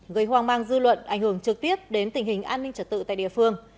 gây hoang mang dư luận ảnh hưởng trực tiếp đến tình hình an ninh trật tự tại địa phương